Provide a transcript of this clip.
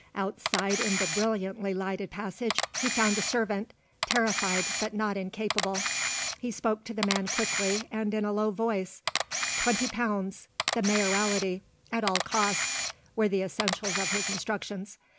Outside in the brilliantly lighted passage he found a servant, terrified but not incapable. He spoke to the man quickly and in a low voice; twenty pounds, the Mayoralty, at all costs, were the essentials of his instructions.